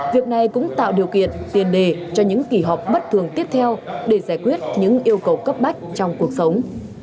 việc này cũng tạo điều kiện tiền đề cho những kỳ họp bất thường tiếp theo để giải quyết những yêu cầu cấp bách trong cuộc sống